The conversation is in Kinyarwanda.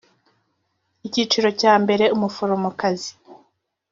icyiciro cya mbere umuforomokazi